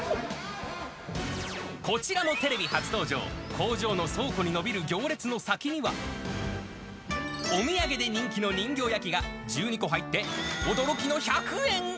こちらもテレビ初登場、工場の倉庫に延びる行列の先には、お土産で人気の人形焼が、１２個入って驚きの１００円。